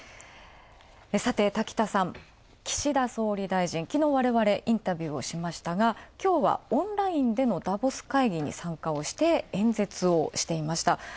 さて滝田さん、岸田総理大臣、きのう我々インタビューしましたがきょうはオンラインでのダボス会議に参加して演説していました。